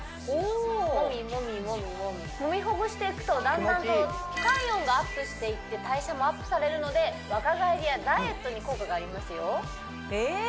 もみもみもみもみもみほぐしていくとだんだんと体温がアップしていって代謝もアップされるので若返りやダイエットに効果がありますよえ！